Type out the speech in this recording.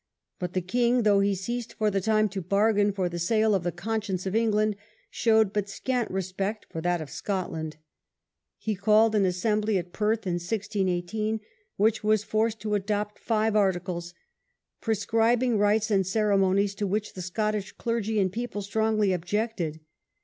But the king, though he ceased for the time to bargain for the sale of the conscience of England, showed but scant re spect for that of Scotland. He called an Assembly at Perth (1618), which was forced to adopt Five Articles, prescrib ing rites and ceremonies to which the Scottish clergy and people strongly objected.